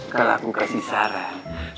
kalau aku kasih saran